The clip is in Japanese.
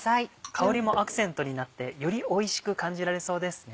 香りもアクセントになってよりおいしく感じられそうですね。